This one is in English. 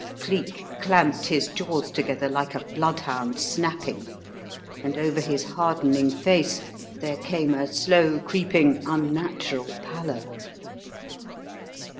'" Cleek clamped his jaws together like a bloodhound snapping and over his hardening face there came a slow creeping, unnatural pallor.